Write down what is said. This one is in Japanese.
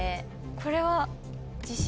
これは。